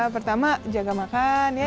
pertama jaga makan ya